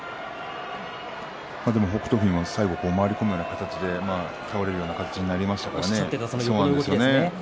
でも北勝富士も最後回り込むような形で倒れ込むような形になりましたからね。